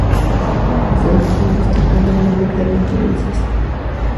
Fue profesor y un destacado orador de conferencias.